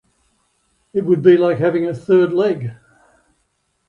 It would be like having a third leg.